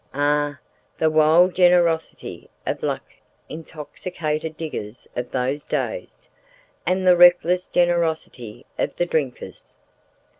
Ah, the wild generosity of luck intoxicated diggers of those days! and the reckless generosity of the drinkers.